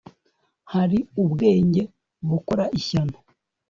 hari ubwenge bukora ishyano